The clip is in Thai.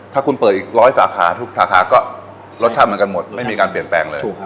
ถ้าคุณเปิดอีกร้อยสาขาทุกสาขาก็รสชาติเหมือนกันหมดไม่มีการเปลี่ยนแปลงเลย